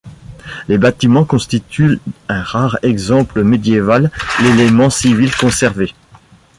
Les bâtiments constituent un rare exemple médiéval d'élément civil conservé.